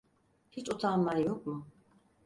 Hiç utanman yok mu?